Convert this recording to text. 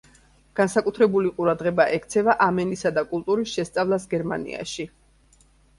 განსაკუთრებული ყურადღება ექცევა ამ ენისა და კულტურის შესწავლას გერმანიაში.